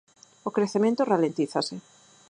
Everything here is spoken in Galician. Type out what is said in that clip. O crecemento ralentízase.